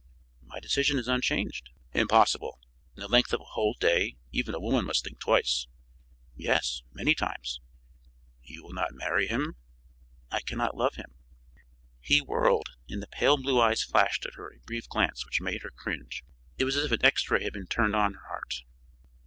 "My decision is unchanged." "Impossible! In the length of a whole day even a woman must think twice." "Yes, many times." "You will not marry him?" "I cannot love him." He whirled, and the pale blue eyes flashed at her a brief glance which made her cringe. It was as if an X ray had been turned on her heart.